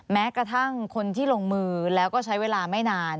แม้กระทั่งคนที่ลงมือแล้วก็ใช้เวลาไม่นาน